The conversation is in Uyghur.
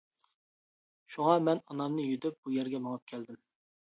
شۇڭا مەن ئانامنى يۈدۈپ، بۇ يەرگە مېڭىپ كەلدىم.